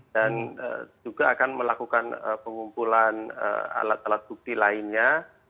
dan juga akan melakukan pengumpulan alat alat bukti lainnya